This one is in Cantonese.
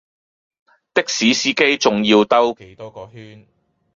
的士司機仲要兜幾多個圈